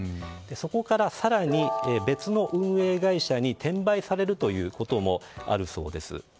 そこから更に、別の運営会社に転売されることもあるそうです。